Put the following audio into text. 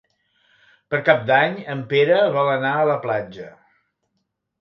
Per Cap d'Any en Pere vol anar a la platja.